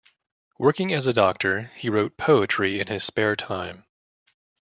Working as a doctor, he wrote poetry in his spare time.